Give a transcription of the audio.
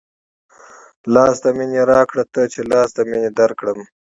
لاس د مينې راکه تۀ چې لاس د مينې درکړمه